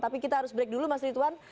tapi kita harus break dulu mas rituan